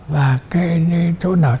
và cái chỗ nào